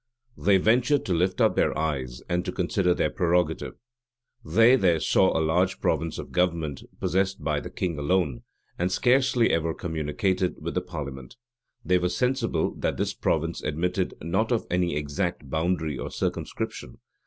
They ventured to lift up their eyes, and to consider this prerogative. They there saw a large province of government, possessed by the king alone, and scarcely ever communicated with the parliament. They were sensible that this province admitted not of any exact boundary or circumscription.